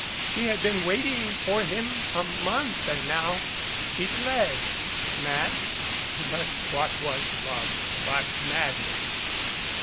She had been waiting for him a month and now she fled. Mad? But what was love but madness?